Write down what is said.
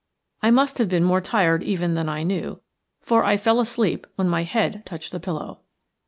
I must have been more tired even than I knew, for I fell asleep when my head touched the pillow.